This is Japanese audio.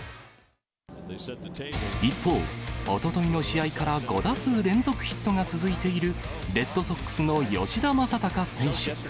一方、おとといの試合から５打数連続ヒットが続いているレッドソックスの吉田正尚選手。